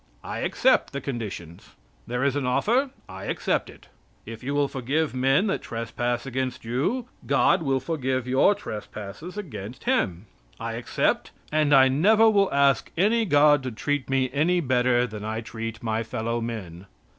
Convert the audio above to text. I accept the conditions. There is an offer; I accept it. If you will forgive men that trespass against you, God will forgive your trespasses against Him. I accept, and I never will ask any God to treat me any better than I treat my fellowmen.